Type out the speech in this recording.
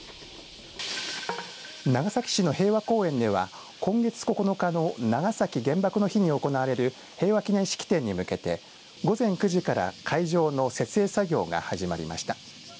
長崎市の平和公園では今月９日の長崎原爆の日に行われる平和祈念式典に向けて午前９時から会場の設営作業が始まりました。